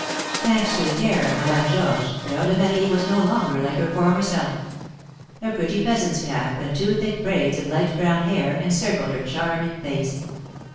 Thanks to the care of Madame Georges, Fleur de Marie was no longer like her former self. A pretty peasant's cap, and two thick braids of light brown hair, encircled her charming face.